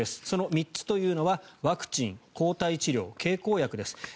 その３つとはワクチン、抗体治療経口薬です。